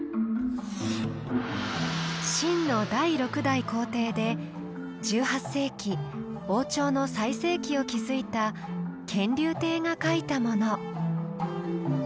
清の第６代皇帝で１８世紀王朝の最盛期を築いた乾隆帝が書いたもの。